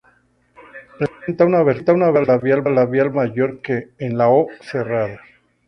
Presenta una abertura labial mayor que en la "o" cerrada.